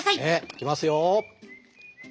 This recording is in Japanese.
いきますよ。